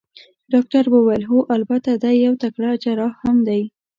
ډاکټر وویل: هو، البته دی یو تکړه جراح هم دی.